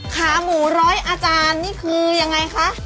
ขาหมูร้อยอาจารย์นี่คือยังไงคะ